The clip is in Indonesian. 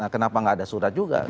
kenapa nggak ada surat juga